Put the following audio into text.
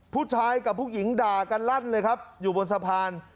ผู้ชายกับผู้หญิงด่ากันลั่นเลยครับอยู่บนสะพาน